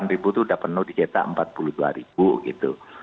rp tiga puluh delapan itu sudah penuh dicetak rp empat puluh dua gitu